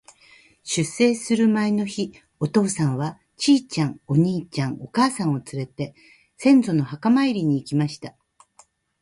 出征する前の日、お父さんは、ちいちゃん、お兄ちゃん、お母さんをつれて、先祖の墓参りに行きました。